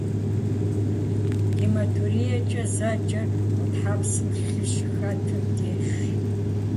Гематуриекӏэ зэджэр гъутхьэпсым лъы щыхэтым дежщ.